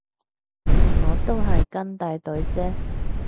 我都係跟大隊啫